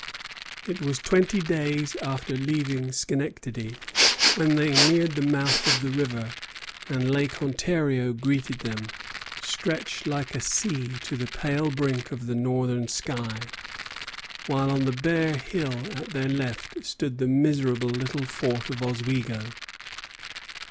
It was twenty days after leaving Schenectady when they neared the mouth of the river; and Lake Ontario greeted them, stretched like a sea to the pale brink of the northern sky, while on the bare hill at their left stood the miserable little fort of Oswego.